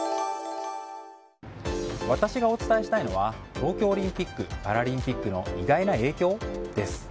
私がお伝えしたいのは東京オリンピック・パラリンピックの意外な影響？です。